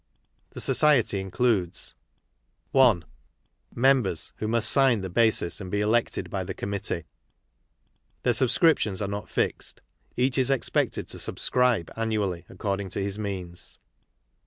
The Society includes: —>.,.■,;,, I. Members, who must sign the Basis and be elected by the Committee. Their Subscriptions are not fixed ; each is expected to subscribe annually according to his means.